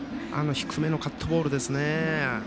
低めのカットボールですね。